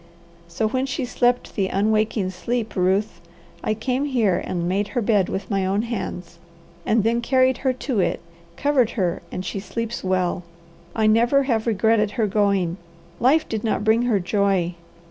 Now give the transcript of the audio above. So when she slept the unwaking sleep, Ruth, I came here and made her bed with my own hands, and then carried her to it, covered her, and she sleeps well. I never have regretted her going. Life did not bring her joy.